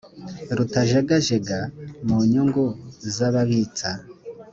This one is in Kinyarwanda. rutajegajega mu nyungu z’ababitsa